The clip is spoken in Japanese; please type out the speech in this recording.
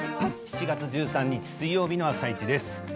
７月１３日水曜日の「あさイチ」です。